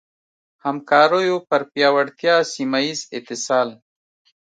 همکاریو پر پیاوړتیا ، سيمهييز اتصال